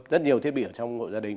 rất nhiều thiết bị ở trong ngôi gia đình